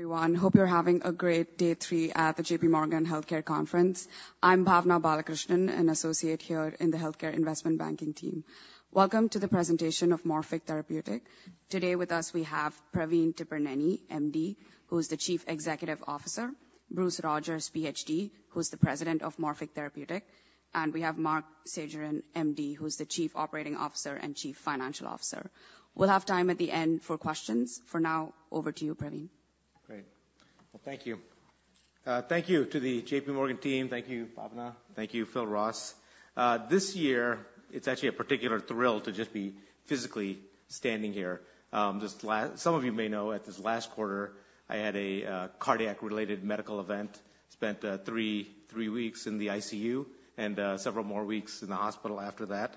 Welcome, everyone. Hope you're having a great day three at the J.P. Morgan Healthcare Conference. I'm Bhavana Balakrishnan, an associate here in the healthcare investment banking team. Welcome to the presentation of Morphic Therapeutic. Today with us, we have Praveen Tipirneni, MD, who's the Chief Executive Officer, Bruce Rogers, PhD, who's the President of Morphic Therapeutic, and we have Marc Schegerin, MD, who's the Chief Operating Officer and Chief Financial Officer. We'll have time at the end for questions. For now, over to you, Praveen. Great. Well, thank you. Thank you to the J.P. Morgan team. Thank you, Bhavana. Thank you, Phil Ross. This year, it's actually a particular thrill to just be physically standing here. Some of you may know that this last quarter, I had a cardiac-related medical event, spent 3 weeks in the ICU and several more weeks in the hospital after that.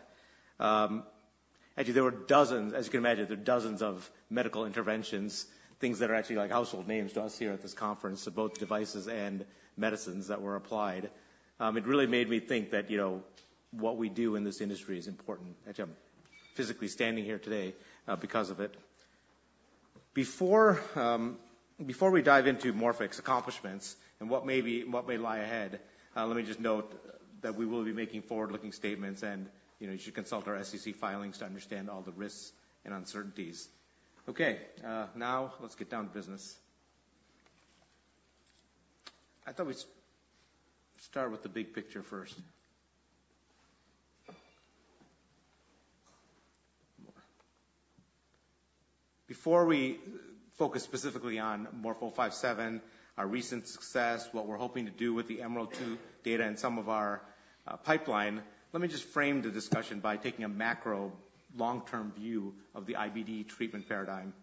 Actually, there were dozens, as you can imagine, there were dozens of medical interventions, things that are actually like household names to us here at this conference, so both devices and medicines that were applied. It really made me think that, you know, what we do in this industry is important. Actually, I'm physically standing here today because of it. Before, before we dive into Morphic's accomplishments and what may lie ahead, let me just note that we will be making forward-looking statements and, you know, you should consult our SEC filings to understand all the risks and uncertainties. Okay, now let's get down to business. I thought we'd start with the big picture first. Before we focus specifically on MORF-057, our recent success, what we're hoping to do with the EMERALD-2 data and some of our pipeline, let me just frame the discussion by taking a macro, long-term view of the IBD treatment paradigm.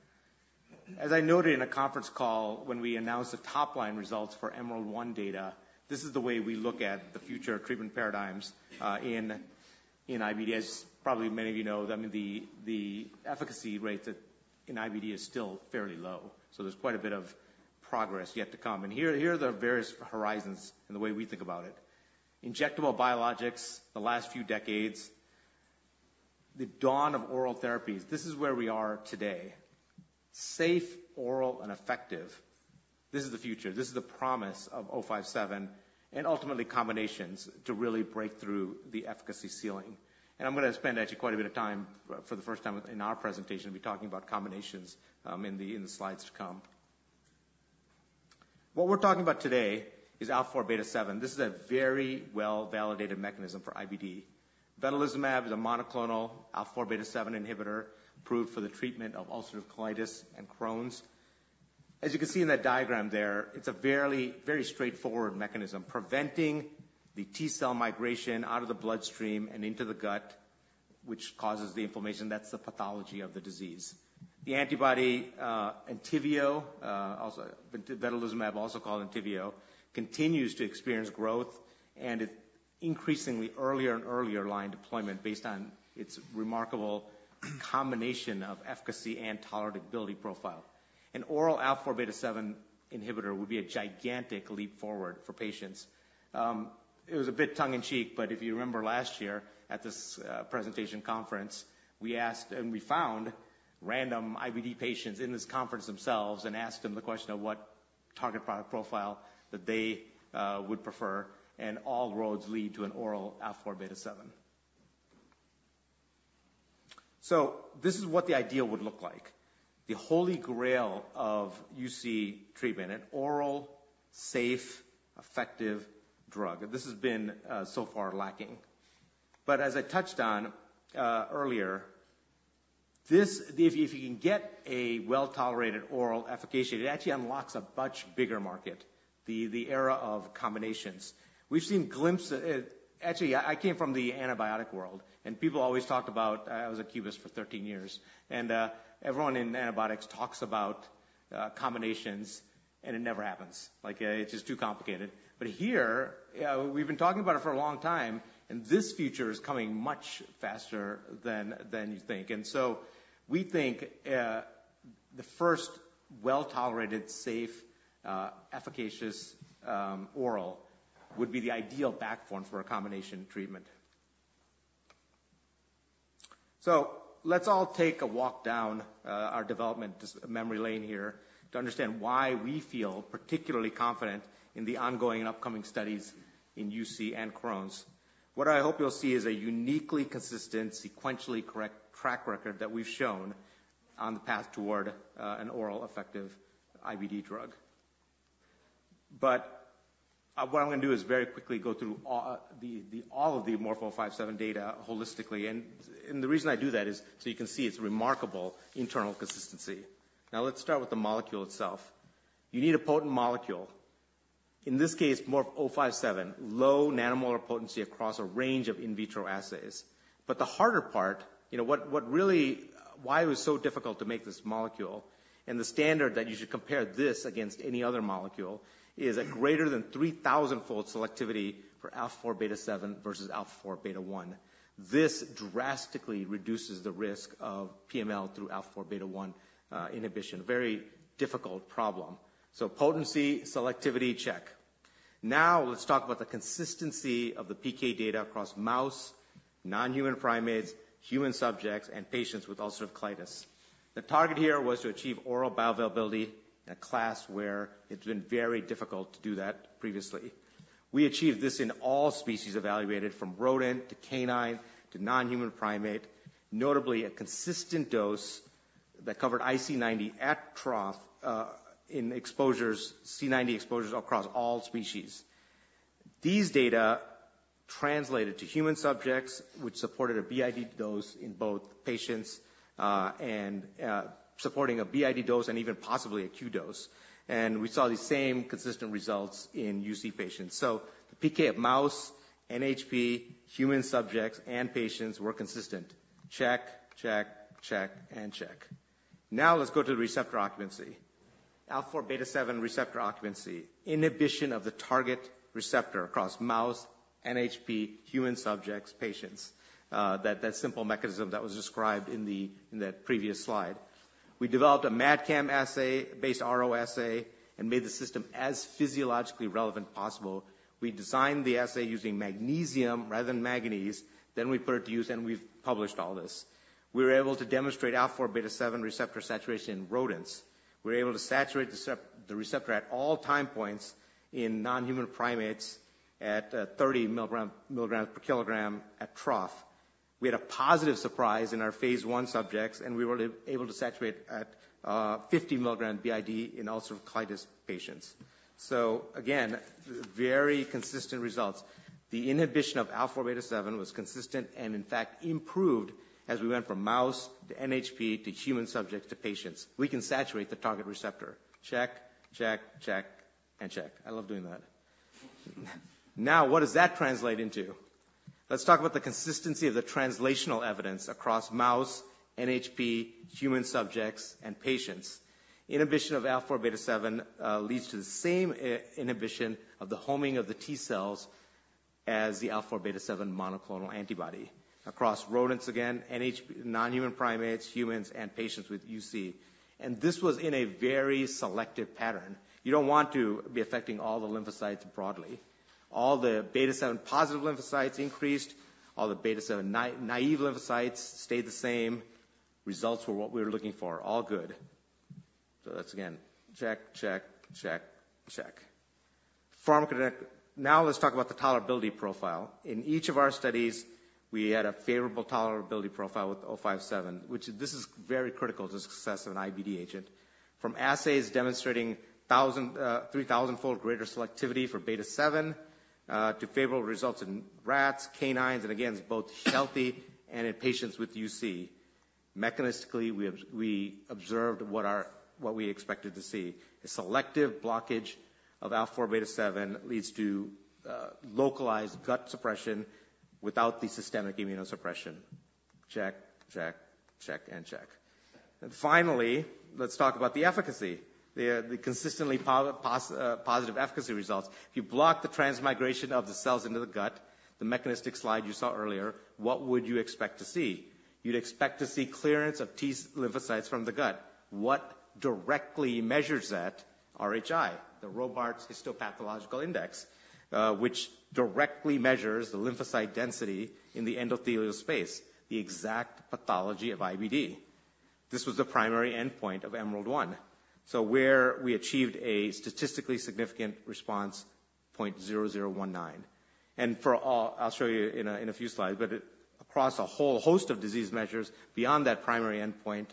As I noted in a conference call when we announced the top-line results for EMERALD-1 data, this is the way we look at the future of treatment paradigms in IBD. As probably many of you know, that the efficacy rates in IBD is still fairly low, so there's quite a bit of progress yet to come. And here are the various horizons and the way we think about it. Injectable biologics, the last few decades, the dawn of oral therapies, this is where we are today. Safe, oral, and effective. This is the future. This is the promise of 057 and ultimately, combinations to really break through the efficacy ceiling. And I'm gonna spend actually quite a bit of time, for the first time in our presentation, I'll be talking about combinations, in the slides to come. What we're talking about today is alpha-4 beta-7. This is a very well-validated mechanism for IBD. Vedolizumab is a monoclonal alpha-4 beta-7 inhibitor, approved for the treatment of ulcerative colitis and Crohn's. As you can see in that diagram there, it's a fairly very straightforward mechanism, preventing the T cell migration out of the bloodstream and into the gut, which causes the inflammation. That's the pathology of the disease. The antibody, Entyvio, also vedolizumab, also called Entyvio, continues to experience growth, and it's increasingly earlier and earlier line deployment based on its remarkable combination of efficacy and tolerability profile. An oral alpha beta seven inhibitor would be a gigantic leap forward for patients. It was a bit tongue-in-cheek, but if you remember last year at this, presentation conference, we asked, and we found random IBD patients in this conference themselves and asked them the question of what target product profile that they, would prefer, and all roads lead to an oral alpha beta seven. So this is what the ideal would look like, the holy grail of UC treatment, an oral, safe, effective drug. This has been so far lacking. But as I touched on earlier, this—if you can get a well-tolerated oral application, it actually unlocks a much bigger market, the era of combinations. We've seen glimpses. Actually, I came from the antibiotic world, and people always talked about, I was at Cubist for 13 years, and everyone in antibiotics talks about combinations, and it never happens. Like, it's just too complicated. But here, we've been talking about it for a long time, and this future is coming much faster than you think. And so we think, the first well-tolerated, safe, efficacious oral would be the ideal back form for a combination treatment. So let's all take a walk down our development just memory lane here to understand why we feel particularly confident in the ongoing and upcoming studies in UC and Crohn's. What I hope you'll see is a uniquely consistent, sequentially correct track record that we've shown on the path toward an oral effective IBD drug. But what I'm gonna do is very quickly go through all of the MORF-057 data holistically. And the reason I do that is so you can see its remarkable internal consistency. Now, let's start with the molecule itself. You need a potent molecule. In this case, MORF-057, low nanomolar potency across a range of in vitro assays. But the harder part, you know, what really... Why it was so difficult to make this molecule, and the standard that you should compare this against any other molecule, is a greater than 3,000-fold selectivity for alpha-4 beta-7 versus alpha-4 beta-1. This drastically reduces the risk of PML through alpha-4 beta-1 inhibition. Very difficult problem. So potency, selectivity, check.... Now let's talk about the consistency of the PK data across mouse, non-human primates, human subjects, and patients with ulcerative colitis. The target here was to achieve oral bioavailability in a class where it's been very difficult to do that previously. We achieved this in all species evaluated, from rodent to canine to non-human primate, notably a consistent dose that covered IC90 at trough in exposures, C90 exposures across all species. These data translated to human subjects, which supported a BID dose in both patients and supporting a BID dose and even possibly a QD dose, and we saw the same consistent results in UC patients. So the PK of mouse, NHP, human subjects, and patients were consistent. Check, check, check, and check. Now let's go to the receptor occupancy. Alpha-4 beta-7 receptor occupancy, inhibition of the target receptor across mouse, NHP, human subjects, patients, that simple mechanism that was described in the previous slide. We developed a MAdCAM-based RO assay and made the system as physiologically relevant as possible. We designed the assay using magnesium rather than manganese. Then we put it to use, and we've published all this. We were able to demonstrate alpha-4 beta-7 receptor saturation in rodents. We were able to saturate the receptor at all time points in non-human primates at 30 mg/kg at trough. We had a positive surprise in our phase 1 subjects, and we were able to saturate at 50 mg BID in ulcerative colitis patients. So again, very consistent results. The inhibition of alpha-4 beta-7 was consistent and in fact improved as we went from mouse to NHP to human subjects to patients. We can saturate the target receptor. Check, check, check, and check. I love doing that. Now, what does that translate into? Let's talk about the consistency of the translational evidence across mouse, NHP, human subjects, and patients. Inhibition of alpha-4 beta-7 leads to the same inhibition of the homing of the T cells as the alpha-4 beta-7 monoclonal antibody across rodents again, non-human primates, humans, and patients with UC. And this was in a very selective pattern. You don't want to be affecting all the lymphocytes broadly. All the beta-7 positive lymphocytes increased, all the beta-7 naive lymphocytes stayed the same. Results were what we were looking for, all good. So that's again, check, check, check, check. Pharmacokinetic. Now let's talk about the tolerability profile. In each of our studies, we had a favorable tolerability profile with 057, which this is very critical to the success of an IBD agent. From assays demonstrating 1,000- to 3,000-fold greater selectivity for β7, to favorable results in rats, canines, and again, both healthy and in patients with UC. Mechanistically, we observed what we expected to see. A selective blockage of α4β7 leads to localized gut suppression without the systemic immunosuppression. Check, check, check, and check. And finally, let's talk about the efficacy, the consistently positive efficacy results. If you block the transmigration of the cells into the gut, the mechanistic slide you saw earlier, what would you expect to see? You'd expect to see clearance of T lymphocytes from the gut. What directly measures that? RHI, the Robarts Histopathologic Index, which directly measures the lymphocyte density in the endothelial space, the exact pathology of IBD. This was the primary endpoint of EMERALD-1. So where we achieved a statistically significant response, 0.0019. And for all, I'll show you in a, in a few slides, but it-- across a whole host of disease measures, beyond that primary endpoint,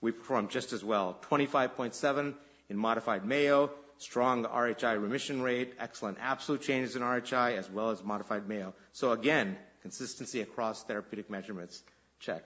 we performed just as well. 25.7 in Modified Mayo, strong RHI remission rate, excellent absolute changes in RHI, as well as Modified Mayo. So again, consistency across therapeutic measurements, check.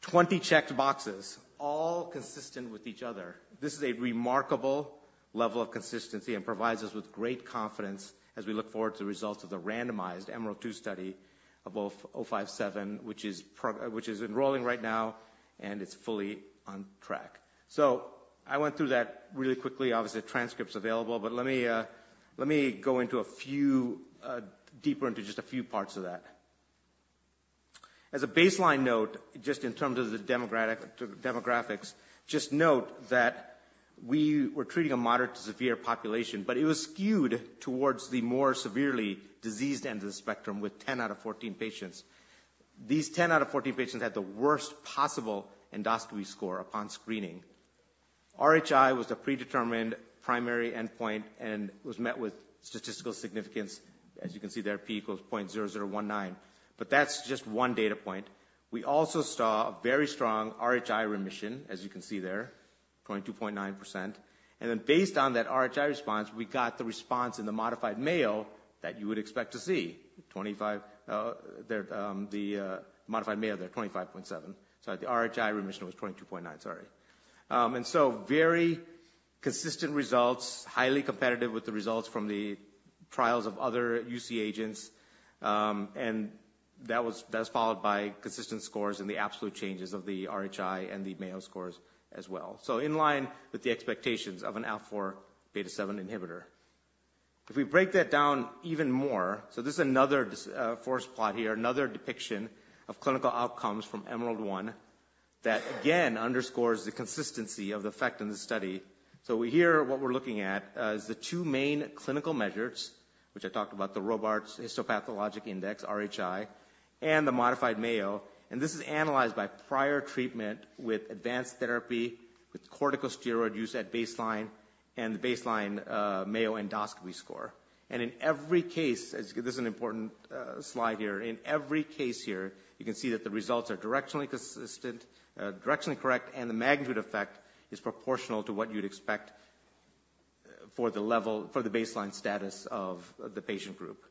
20 checked boxes, all consistent with each other. This is a remarkable level of consistency and provides us with great confidence as we look forward to the results of the randomized EMERALD-2 study of MORF-057, which is enrolling right now, and it's fully on track. So I went through that really quickly. Obviously, the transcript's available, but let me let me go into a few deeper into just a few parts of that. As a baseline note, just in terms of the demographic, demographics, just note that we were treating a moderate to severe population, but it was skewed towards the more severely diseased end of the spectrum with 10 out of 14 patients. These 10 out of 14 patients had the worst possible endoscopy score upon screening. RHI was the predetermined primary endpoint and was met with statistical significance, as you can see there, P = 0.0019. But that's just one data point. We also saw a very strong RHI remission, as you can see there, 2.9%. And then based on that RHI response, we got the response in the Modified Mayo that you would expect to see. 25, the modified Mayo there, 25.7. So the RHI remission was 22.9, sorry. And so very consistent results, highly competitive with the results from the trials of other UC agents. And that was followed by consistent scores in the absolute changes of the RHI and the Mayo scores as well. So in line with the expectations of an alpha-4 beta-7 inhibitor. If we break that down even more, so this is another forest plot here, another depiction of clinical outcomes from EMERALD-1 that again underscores the consistency of the effect in the study. So here, what we're looking at is the two main clinical measures, which I talked about, the Robarts Histopathologic Index, RHI, and the modified Mayo. This is analyzed by prior treatment with advanced therapy, with corticosteroid use at baseline, and the baseline Mayo endoscopy score. In every case, as this is an important slide here, in every case here, you can see that the results are directionally consistent, directionally correct, and the magnitude effect is proportional to what you'd expect for the level- for the baseline status of the patient group.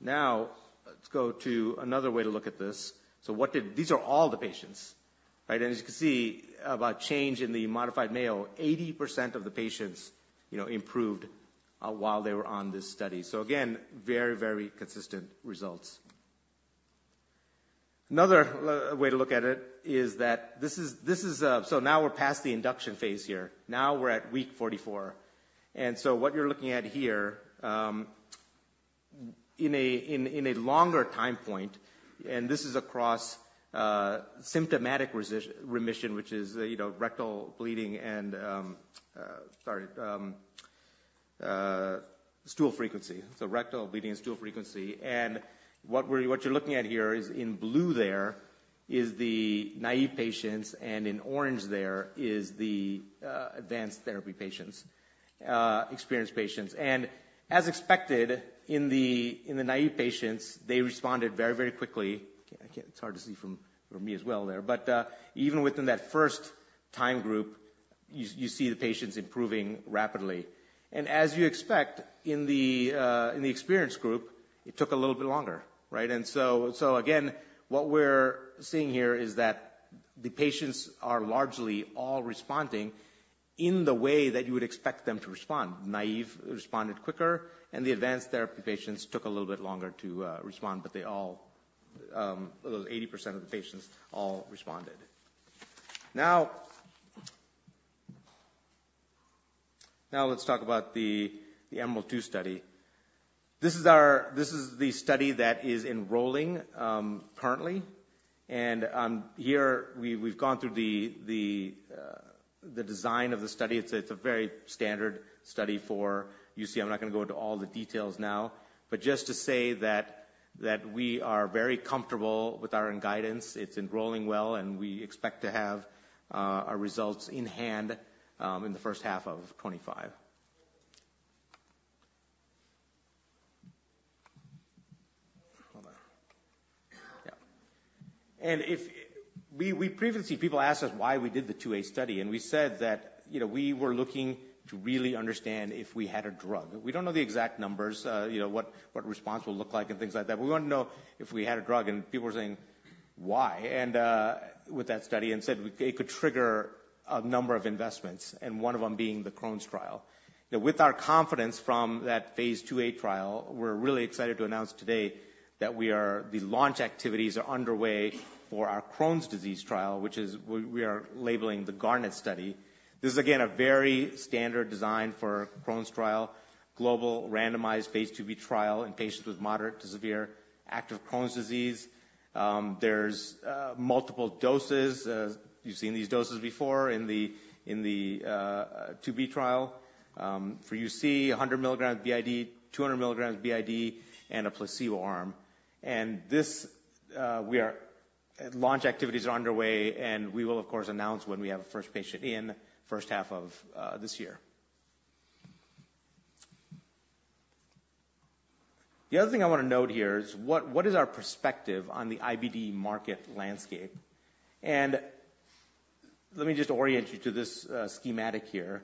Now, let's go to another way to look at this. So what did... These are all the patients, right? As you can see, about change in the Modified Mayo, 80% of the patients, you know, improved while they were on this study. So again, very, very consistent results. Another way to look at it is that this is, this is, so now we're past the induction phase here. Now we're at week 44. So what you're looking at here, in a longer time point, and this is across symptomatic remission, which is, you know, rectal bleeding and stool frequency. So rectal bleeding and stool frequency. And what you're looking at here is in blue there is the naive patients, and in orange there is the advanced therapy patients, experienced patients. And as expected, in the naive patients, they responded very, very quickly. Again, it's hard to see for me as well there, but even within that first time group, you see the patients improving rapidly. And as you expect in the experienced group, it took a little bit longer, right? So again, what we're seeing here is that the patients are largely all responding in the way that you would expect them to respond. Naive responded quicker, and the advanced therapy patients took a little bit longer to respond, but they all, those 80% of the patients all responded. Now let's talk about the EMERALD-2 study. This is our study that is enrolling currently. Here we've gone through the design of the study. It's a very standard study for UC. I'm not gonna go into all the details now, but just to say that we are very comfortable with our own guidance. It's enrolling well, and we expect to have our results in hand in the first half of 2025. Hold on. Yeah. And if... We previously, people asked us why we did the 2a study, and we said that, you know, we were looking to really understand if we had a drug. We don't know the exact numbers, you know, what, what response will look like and things like that. We want to know if we had a drug, and people were saying, "Why?" And with that study and said it could trigger a number of investments, and one of them being the Crohn's trial. With our confidence from that phase 2a trial, we're really excited to announce today that we are, the launch activities are underway for our Crohn's disease trial, which is, we are labeling the GARNET study. This is, again, a very standard design for Crohn's trial, global randomized phase 2b trial in patients with moderate to severe active Crohn's disease. There's multiple doses. You've seen these doses before in the 2b trial. For UC, 100 milligrams BID, 200 milligrams BID, and a placebo arm. And this, we are... Launch activities are underway, and we will, of course, announce when we have a first patient in the first half of this year. The other thing I want to note here is what is our perspective on the IBD market landscape? And let me just orient you to this schematic here.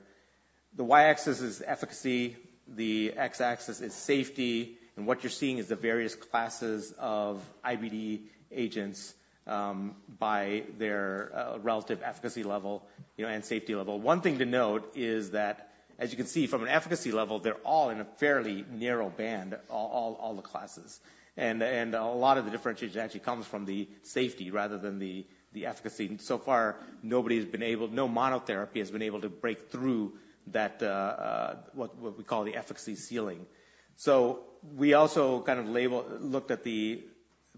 The y-axis is efficacy, the x-axis is safety, and what you're seeing is the various classes of IBD agents by their relative efficacy level, you know, and safety level. One thing to note is that, as you can see from an efficacy level, they're all in a fairly narrow band, all the classes. A lot of the differentiation actually comes from the safety rather than the efficacy. So far, nobody has been able—no monotherapy has been able to break through that, what we call the efficacy ceiling. So we also kind of looked at the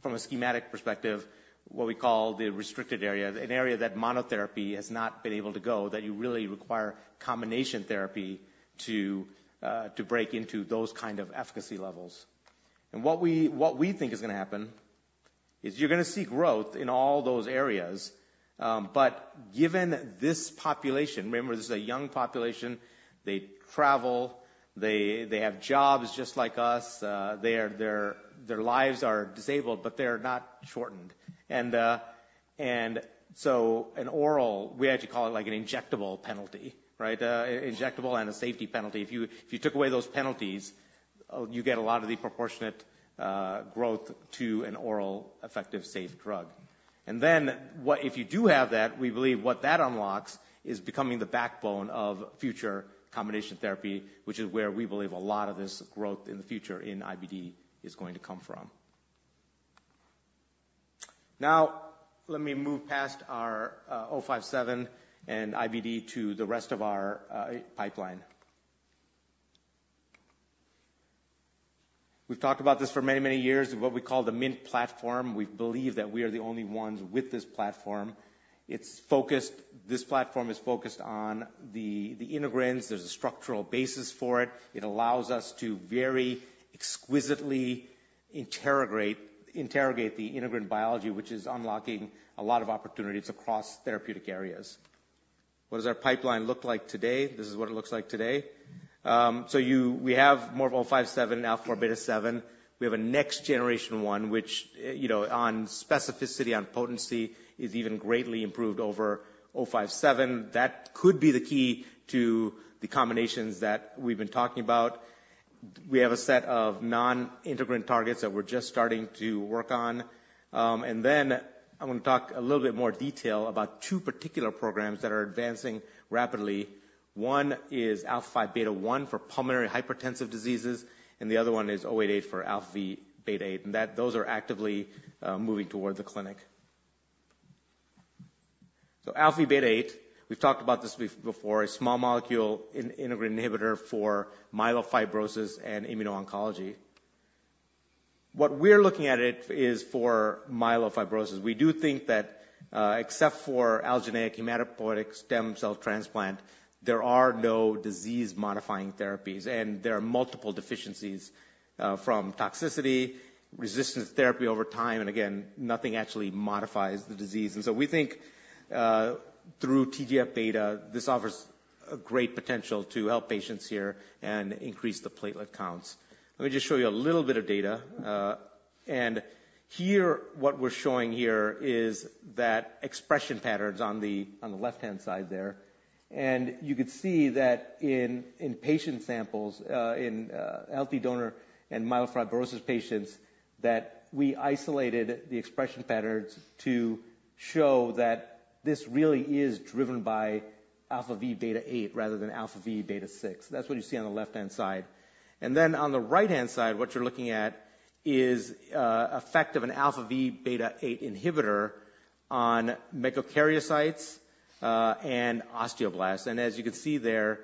from a schematic perspective, what we call the restricted area, an area that monotherapy has not been able to go, that you really require combination therapy to break into those kind of efficacy levels. And what we think is gonna happen is you're gonna see growth in all those areas. But given this population, remember, this is a young population, they travel, they have jobs just like us, their lives are disabled, but they're not shortened. And so an oral, we actually call it like an injectable penalty, right? Injectable and a safety penalty. If you, if you took away those penalties, you get a lot of the proportionate growth to an oral, effective, safe drug. And then what—if you do have that, we believe what that unlocks is becoming the backbone of future combination therapy, which is where we believe a lot of this growth in the future in IBD is going to come from. Now, let me move past our MORF-057 and IBD to the rest of our pipeline. We've talked about this for many, many years, what we call the MINT platform. We believe that we are the only ones with this platform. It's focused—This platform is focused on the integrins. There's a structural basis for it. It allows us to very exquisitely interrogate the integrin biology, which is unlocking a lot of opportunities across therapeutic areas. What does our pipeline look like today? This is what it looks like today. So we have MORF-057, alpha beta 7. We have a next generation one, which, you know, on specificity, on potency, is even greatly improved over O57. That could be the key to the combinations that we've been talking about. We have a set of non-integrin targets that we're just starting to work on. And then I want to talk a little bit more detail about two particular programs that are advancing rapidly. One is alpha beta 1 for pulmonary hypertensive diseases, and the other one is O88 for alpha-V beta-8. Those are actively moving toward the clinic. So alpha-V beta-8, we've talked about this before, a small molecule integrin inhibitor for myelofibrosis and immuno-oncology. What we're looking at it is for myelofibrosis. We do think that, except for allogeneic hematopoietic stem cell transplant, there are no disease-modifying therapies, and there are multiple deficiencies, from toxicity, resistance therapy over time, and again, nothing actually modifies the disease. And so we think, through TGF-beta, this offers a great potential to help patients here and increase the platelet counts. Let me just show you a little bit of data. And here, what we're showing here is that expression patterns on the, on the left-hand side there. You could see that in patient samples, in healthy donor and myelofibrosis patients, that we isolated the expression patterns to show that this really is driven by alpha-V beta-8 rather than alpha-V beta-6. That's what you see on the left-hand side. On the right-hand side, what you're looking at is effect of an alpha-V beta-8 inhibitor on megakaryocytes and osteoblasts. As you can see there,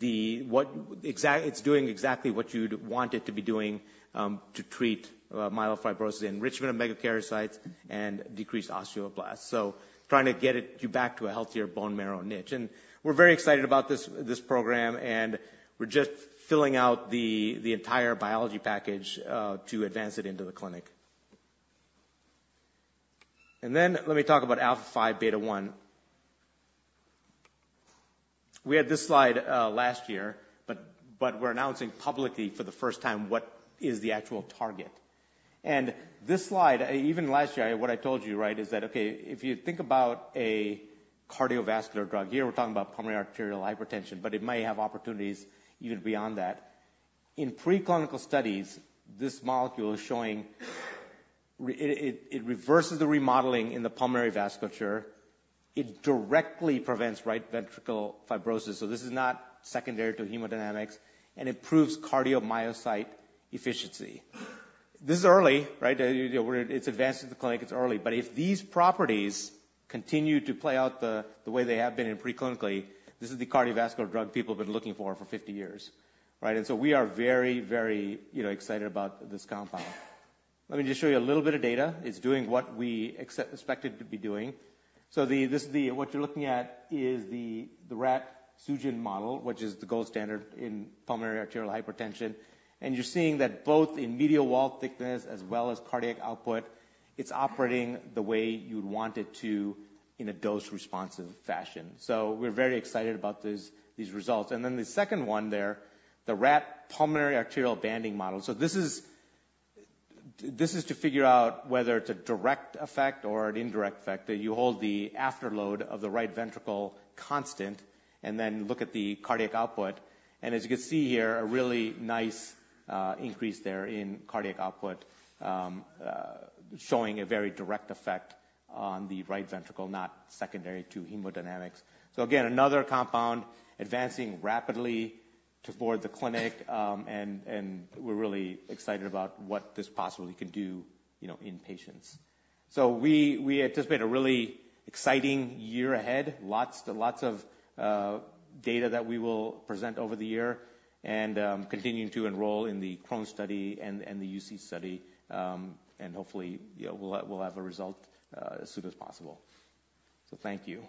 it's doing exactly what you'd want it to be doing to treat myelofibrosis, enrichment of megakaryocytes and decreased osteoblasts. So trying to get you back to a healthier bone marrow niche. We're very excited about this program, and we're just filling out the entire biology package to advance it into the clinic. And then let me talk about alpha-V beta-1. We had this slide, uh, last year, but we're announcing publicly for the first time what is the actual target. And this slide, even last year, what I told you, right, is that, okay, if you think about a cardiovascular drug, here we're talking about pulmonary arterial hypertension, but it may have opportunities even beyond that. In preclinical studies, this molecule is showing it reverses the remodeling in the pulmonary vasculature. It directly prevents right ventricle fibrosis, so this is not secondary to hemodynamics, and improves cardiomyocyte efficiency. This is early, right? You know, we're... It's advanced to the clinic, it's early. But if these properties continue to play out the way they have been in preclinically, this is the cardiovascular drug people have been looking for for 50 years, right? And so we are very, very, you know, excited about this compound. Let me just show you a little bit of data. It's doing what we expected it to be doing. So this is the rat Sugen model, which is the gold standard in pulmonary arterial hypertension. You're seeing that both in medial wall thickness as well as cardiac output, it's operating the way you'd want it to in a dose-responsive fashion. So we're very excited about these results. And then the second one there, the rat pulmonary arterial banding model. So this is to figure out whether it's a direct effect or an indirect effect, that you hold the afterload of the right ventricle constant and then look at the cardiac output. And as you can see here, a really nice increase there in cardiac output, showing a very direct effect on the right ventricle, not secondary to hemodynamics. So again, another compound advancing rapidly toward the clinic, and we're really excited about what this possibly can do, you know, in patients. So we... It's just been a really exciting year ahead. Lots, lots of data that we will present over the year and continuing to enroll in the Crohn's study and the UC study, and hopefully, you know, we'll have a result as soon as possible. So thank you.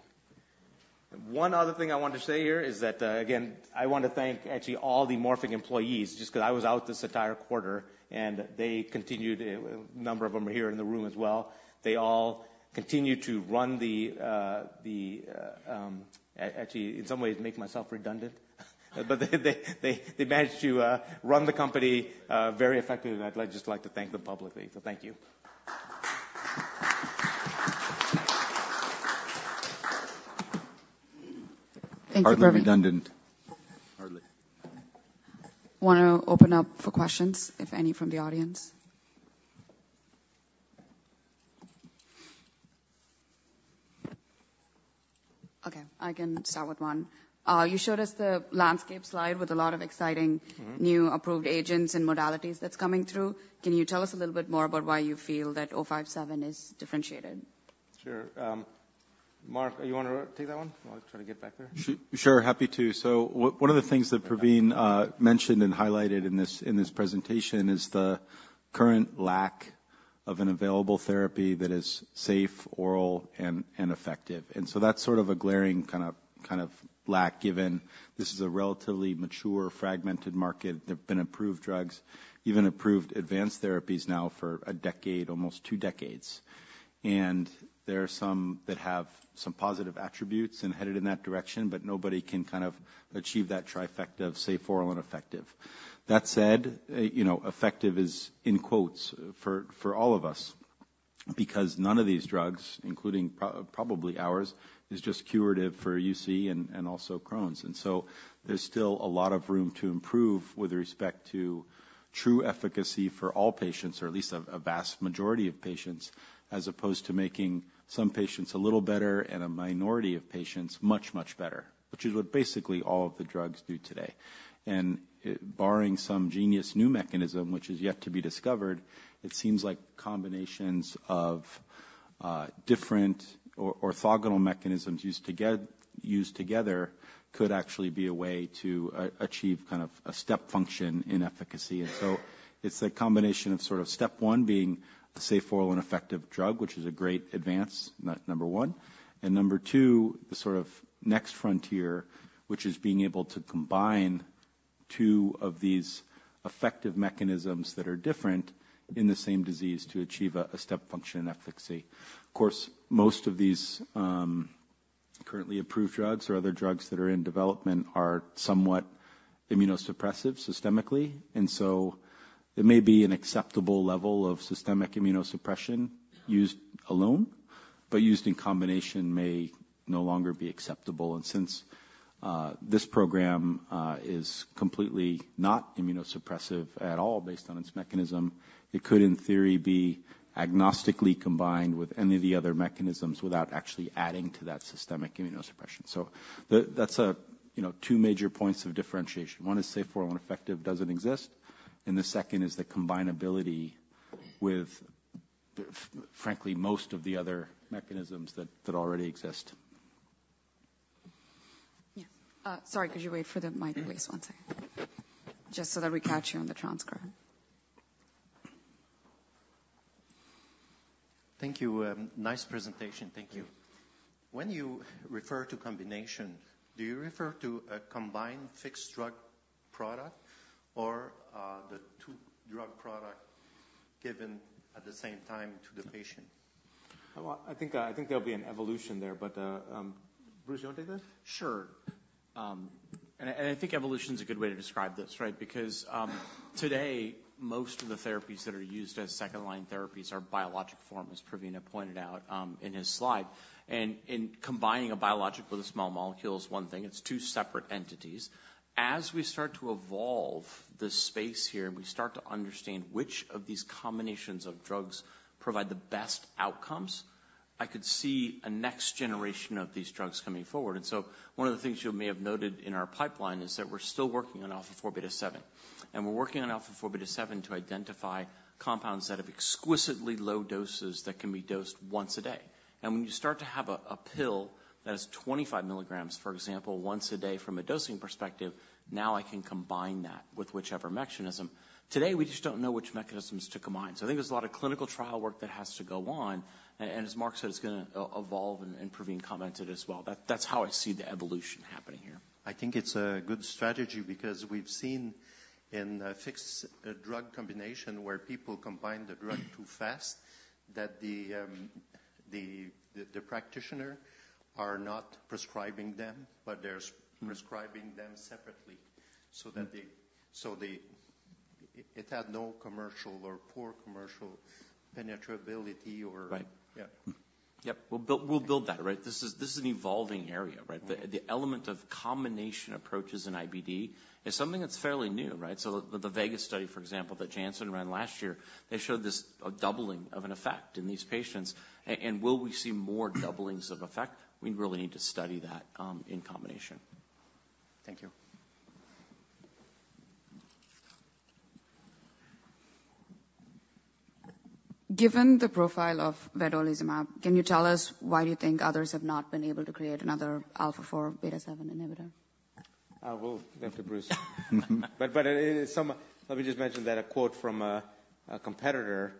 One other thing I wanted to say here is that, again, I want to thank actually all the Morphic employees, just 'cause I was out this entire quarter, and they continued, a number of them are here in the room as well. They all continued to run. Actually, in some ways, make myself redundant, but they managed to run the company very effectively, and I'd like just like to thank them publicly. So thank you. Thank you, Praveen. Hardly redundant. Hardly. Want to open up for questions, if any, from the audience? Okay, I can start with one. You showed us the landscape slide with a lot of exciting- Mm-hmm. New approved agents and modalities that's coming through. Can you tell us a little bit more about why you feel that MORF-057 is differentiated? Sure, um-... Mark, you wanna take that one while I try to get back there? Sure, happy to. So one of the things that Praveen mentioned and highlighted in this presentation is the current lack of an available therapy that is safe, oral, and effective. And so that's sort of a glaring kind of lack, given this is a relatively mature, fragmented market. There have been approved drugs, even approved advanced therapies now for a decade, almost two decades. And there are some that have some positive attributes and headed in that direction, but nobody can kind of achieve that trifecta of, say, oral and effective. That said, you know, effective is in quotes for all of us, because none of these drugs, including probably ours, is just curative for UC and also Crohn's. And so there's still a lot of room to improve with respect to true efficacy for all patients, or at least a vast majority of patients, as opposed to making some patients a little better and a minority of patients much, much better, which is what basically all of the drugs do today. And, barring some genius new mechanism, which is yet to be discovered, it seems like combinations of different or orthogonal mechanisms used together could actually be a way to achieve kind of a step function in efficacy. And so it's a combination of sort of step one being a safe, oral, and effective drug, which is a great advance, number one. And number two, the sort of next frontier, which is being able to combine two of these effective mechanisms that are different in the same disease to achieve a step function in efficacy. Of course, most of these, currently approved drugs or other drugs that are in development are somewhat immunosuppressive systemically, and so it may be an acceptable level of systemic immunosuppression used alone, but used in combination may no longer be acceptable. And since this program is completely not immunosuppressive at all, based on its mechanism, it could, in theory, be agnostically combined with any of the other mechanisms without actually adding to that systemic immunosuppression. That's a, you know, two major points of differentiation. One is safe, oral, and effective, doesn't exist, and the second is the combinability with, frankly, most of the other mechanisms that already exist. Yeah. Sorry, could you wait for the mic? Please, one second. Just so that we catch you on the transcript. Thank you. Nice presentation. Thank you. Yeah. When you refer to combination, do you refer to a combined fixed drug product or the two drug product given at the same time to the patient? Well, I think, I think there'll be an evolution there, but, Bruce, you wanna take this? Sure. And I think evolution is a good way to describe this, right? Because, today, most of the therapies that are used as second-line therapies are biologic form, as Praveen pointed out, in his slide. And in combining a biologic with a small molecule is one thing, it's two separate entities. As we start to evolve the space here, and we start to understand which of these combinations of drugs provide the best outcomes, I could see a next generation of these drugs coming forward. And so one of the things you may have noted in our pipeline is that we're still working on alpha-4 beta-7, and we're working on alpha-4 beta-7 to identify compounds that have exquisitely low doses that can be dosed once a day. When you start to have a pill that is 25 milligrams, for example, once a day from a dosing perspective, now I can combine that with whichever mechanism. Today, we just don't know which mechanisms to combine. So I think there's a lot of clinical trial work that has to go on, and as Marc said, it's gonna evolve, and Praveen commented as well, that that's how I see the evolution happening here. I think it's a good strategy because we've seen in a fixed drug combination where people combine the drug too fast, that the practitioner are not prescribing them, but they're- Mm-hmm. prescribing them separately so that they- Mm. It had no commercial or poor commercial penetrability or- Right. Yeah. Yep, we'll build, we'll build that, right? This is, this is an evolving area, right? Mm. The element of combination approaches in IBD is something that's fairly new, right? So the VEGA study, for example, that Janssen ran last year, they showed this, a doubling of an effect in these patients. And will we see more doublings of effect? We really need to study that in combination. Thank you. Given the profile of vedolizumab, can you tell us why you think others have not been able to create another alpha-4 beta-7 inhibitor? We'll go to Bruce. But it is some... Let me just mention that a quote from a competitor,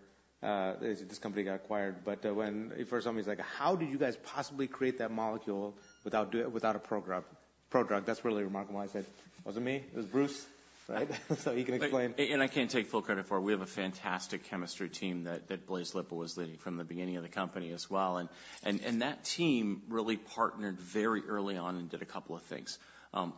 this company got acquired, but when... For some, he's like: "How did you guys possibly create that molecule without a prodrug, prodrug? That's really remarkable." I said, "It wasn't me, it was Bruce." Right? So he can explain. And I can't take full credit for it. We have a fantastic chemistry team that Blaise Lippa was leading from the beginning of the company as well. And that team really partnered very early on and did a couple of things.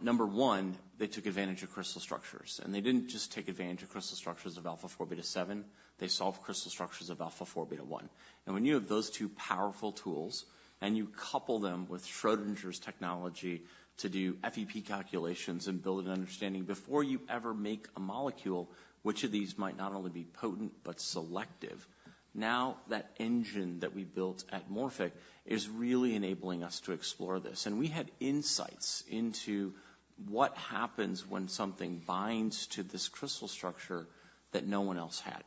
Number one, they took advantage of crystal structures, and they didn't just take advantage of crystal structures of alpha-4 beta-7; they solved crystal structures of alpha-4 beta-1. And when you have those two powerful tools, and you couple them with Schrödinger's technology to do FEP calculations and build an understanding, before you ever make a molecule, which of these might not only be potent but selective? Now, that engine that we built at Morphic is really enabling us to explore this, and we had insights into what happens when something binds to this crystal structure that no one else had.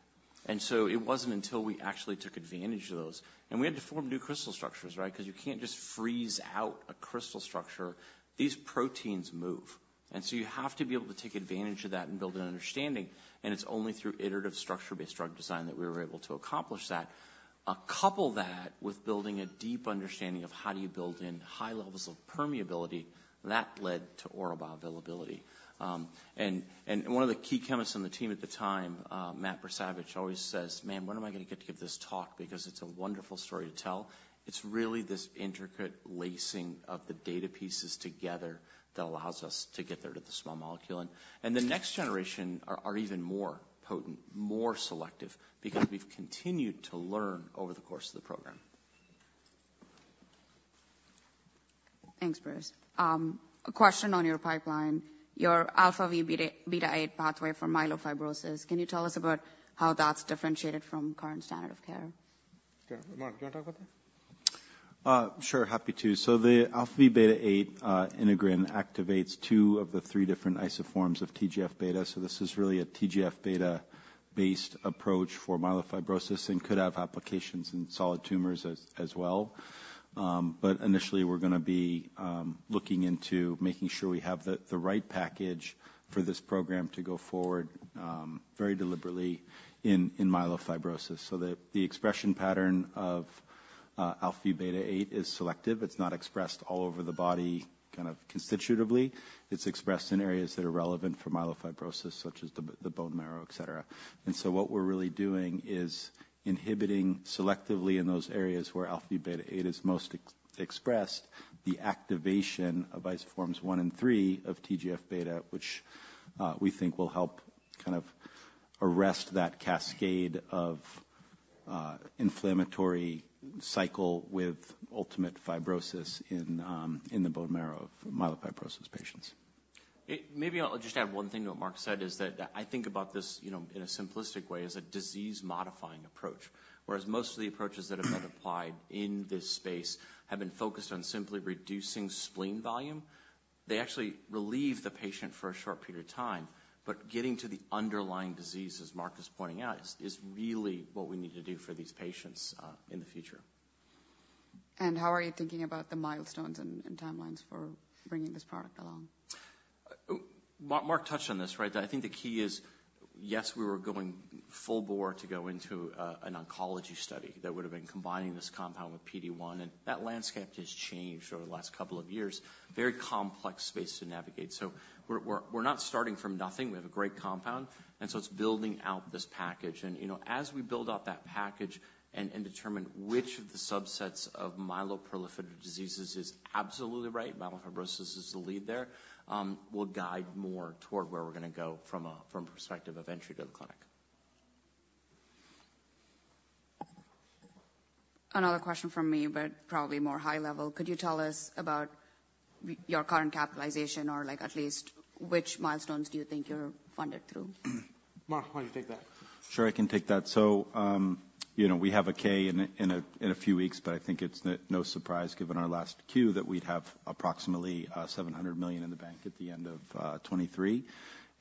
And so it wasn't until we actually took advantage of those, and we had to form new crystal structures, right? Because you can't just freeze out a crystal structure. These proteins move, and so you have to be able to take advantage of that and build an understanding, and it's only through iterative structure-based drug design that we were able to accomplish that. Couple that with building a deep understanding of how do you build in high levels of permeability, that led to oral bioavailability. And one of the key chemists on the team at the time, Matt Bersavage, always says, "Man, when am I going to get to give this talk? Because it's a wonderful story to tell." It's really this intricate lacing of the data pieces together that allows us to get there to the small molecule. And the next generation are even more potent, more selective, because we've continued to learn over the course of the program. Thanks, Bruce. A question on your pipeline, your alpha-V beta-8 pathway for myelofibrosis. Can you tell us about how that's differentiated from current standard of care? Sure. Mark, do you want to talk about that? Sure, happy to. So the alpha-V beta-8 integrin activates two of the three different isoforms of TGF-beta. So this is really a TGF-beta-based approach for myelofibrosis and could have applications in solid tumors as well. But initially, we're gonna be looking into making sure we have the right package for this program to go forward very deliberately in myelofibrosis. So the expression pattern of alpha-V beta-8 is selective. It's not expressed all over the body, kind of constitutively. It's expressed in areas that are relevant for myelofibrosis, such as the bone marrow, et cetera. And so what we're really doing is inhibiting selectively in those areas where alpha-V beta-8 is most expressed, the activation of isoforms 1 and 3 of TGF-beta, which we think will help kind of arrest that cascade of inflammatory cycle with ultimate fibrosis in the bone marrow of myelofibrosis patients. Maybe I'll just add one thing to what Marc said, is that I think about this, you know, in a simplistic way, as a disease-modifying approach. Whereas most of the approaches that have been applied in this space have been focused on simply reducing spleen volume, they actually relieve the patient for a short period of time. But getting to the underlying disease, as Marc is pointing out, is really what we need to do for these patients in the future. How are you thinking about the milestones and timelines for bringing this product along? Mark touched on this, right? I think the key is, yes, we were going full bore to go into an oncology study that would have been combining this compound with PD-1, and that landscape has changed over the last couple of years. Very complex space to navigate. So we're not starting from nothing. We have a great compound, and so it's building out this package. And, you know, as we build out that package and determine which of the subsets of myeloproliferative diseases is absolutely right, myelofibrosis is the lead there, we'll guide more toward where we're gonna go from a perspective of entry to the clinic. Another question from me, but probably more high level. Could you tell us about your current capitalization, or like at least which milestones do you think you're funded through? Mark, why don't you take that? Sure, I can take that. So, you know, we have a 10-K in a few weeks, but I think it's no surprise, given our last Q, that we'd have approximately $700 million in the bank at the end of 2023,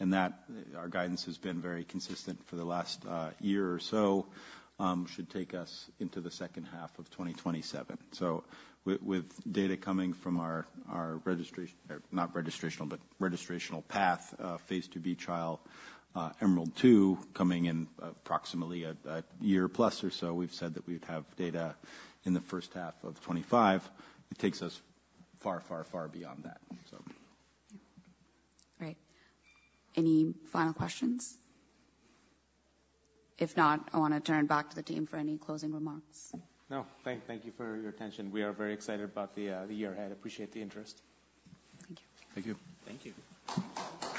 and that our guidance has been very consistent for the last year or so, should take us into the second half of 2027. So with data coming from our registrational—not registrational, but registrational path, phase 2b trial, EMERALD-2, coming in approximately a year plus or so, we've said that we'd have data in the first half of 2025. It takes us far, far, far beyond that, so. Great. Any final questions? If not, I want to turn it back to the team for any closing remarks. Thank you for your attention. We are very excited about the year ahead. Appreciate the interest. Thank you. Thank you. Thank you.